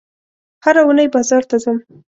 هره اونۍ بازار ته ځم